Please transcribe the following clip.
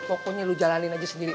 pokoknya lu jalanin aja sendiri